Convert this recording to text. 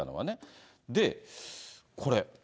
で、これ。